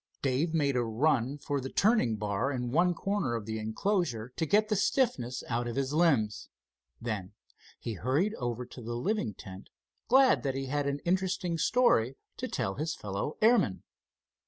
Dave made a run for the turning bar in one corner of the enclosure to get the stiffness out of his limbs. Then he hurried over to the living tent, glad that he had an interesting story to tell to his fellow airmen.